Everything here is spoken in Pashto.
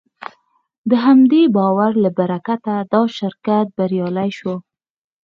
د همدې باور له برکته دا شرکت بریالی شو.